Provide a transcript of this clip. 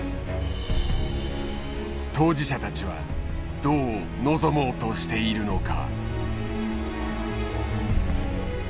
当事者たちはどう臨もうとしているのか。